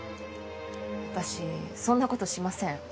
私そんなことしません